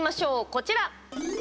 こちら。